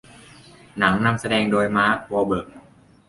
หนังนำแสดงโดย มาร์ค วอห์ลเบิร์ก